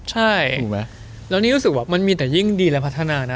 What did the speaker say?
ใช่ถูกไหมแล้วนี่รู้สึกว่ามันมีแต่ยิ่งดีและพัฒนานะ